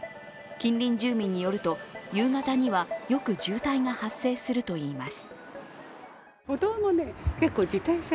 近隣住民によると、夕方にはよく渋滞が発生するといいます。